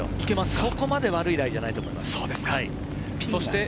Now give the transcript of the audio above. そこまで悪いライじゃないです。